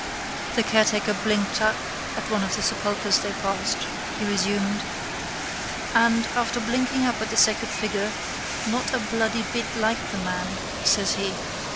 The caretaker blinked up at one of the sepulchres they passed. He resumed: —And, after blinking up at the sacred figure, Not a bloody bit like the man, says he.